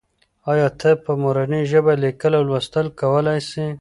آیا ته په مورنۍ ژبه لیکل او لوستل کولای سې؟